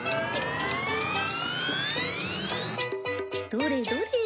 どれどれ。